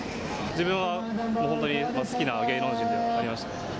自分は本当に好きな芸能人ではありましたね。